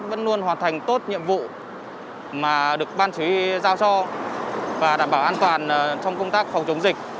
vẫn luôn hoàn thành tốt nhiệm vụ mà được ban chỉ huy giao cho và đảm bảo an toàn trong công tác phòng chống dịch